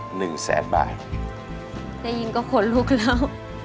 หนึ่งแสนบาทได้ยินก็ขนลุกแล้ว